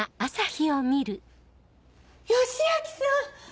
良明さん！